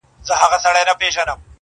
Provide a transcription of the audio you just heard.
زړه په پیوند دی.